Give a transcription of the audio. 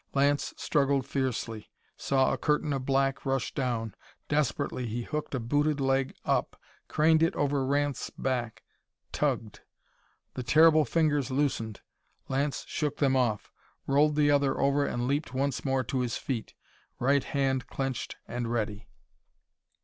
Lance struggled fiercely; saw a curtain of black rush down. Desperately he hooked a booted leg up, craned it over Ranth's back, tugged. The terrible fingers loosened. Lance shook them off, rolled the other over and leaped once more to his feet, right hand clenched and ready.